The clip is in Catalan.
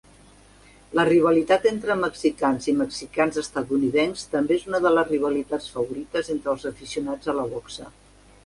La rivalitat entre mexicans i mexicans estatunidencs també és una de les rivalitats favorites entre els aficionats a la boxa.